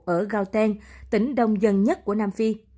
ở gauteng tỉnh đông dần nhất của nam phi